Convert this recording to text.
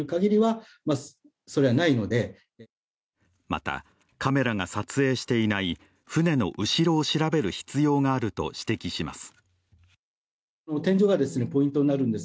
また、カメラが撮影していない船の後ろを調べる必要があると指摘します。